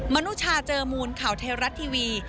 มนุชาเจอมูลข่าวเทราะท์ทีวี